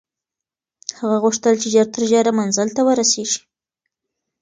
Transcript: هغه غوښتل چې ژر تر ژره منزل ته ورسېږي.